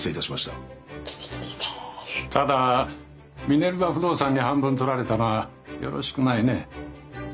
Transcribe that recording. ただミネルヴァ不動産に半分取られたのはよろしくないね。